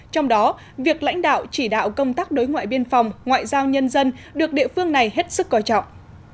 trong đó việc lãnh đạo chỉ đạo công tác đối ngoại biên phòng ngoại giao nhân dân được địa phương này hết sức coi trọng